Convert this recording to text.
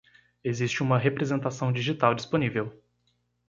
Existe uma representação digital disponível.